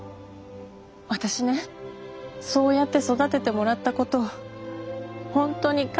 私ねそうやって育ててもらったこと本当に感謝してるの。